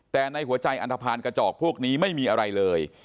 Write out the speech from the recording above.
แต่ในหัวใจอันทภาณกระจอกพวกนี้ไม่มีอะไรเลย